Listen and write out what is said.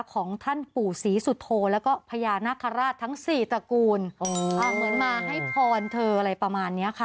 ของท่านปู่ศรีสุโธแล้วก็พญานาคาราชทั้งสี่ตระกูลเหมือนมาให้พรเธออะไรประมาณนี้ค่ะ